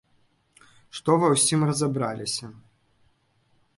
Што ва ўсім разабраліся.